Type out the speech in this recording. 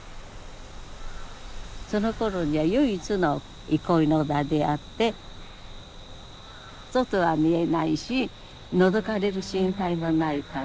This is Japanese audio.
そのころには唯一の憩いの場であって外は見えないしのぞかれる心配もないから。